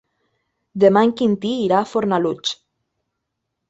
Demà en Quintí irà a Fornalutx.